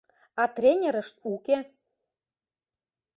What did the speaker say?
А тренерышт уке.